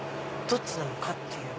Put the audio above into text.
どっちなのかっていう。